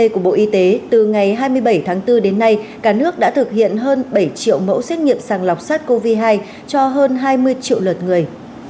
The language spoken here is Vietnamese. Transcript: cả nước đã thực hiện hơn bảy triệu mẫu xét nghiệm sàng lọc sars cov hai cho hơn hai mươi triệu lượt người